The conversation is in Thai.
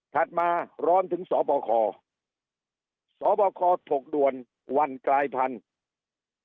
มาร้อนถึงสบคสบคถกด่วนวันกลายพันธุ์